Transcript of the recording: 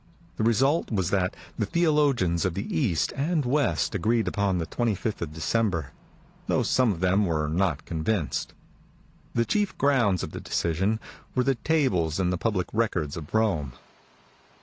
The result was that the theologians of the East and West agreed upon the 25th of December, though some of them were not convinced. The chief grounds of the decision were the tables in the public records of Rome.